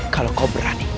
kalau kau melupakan aku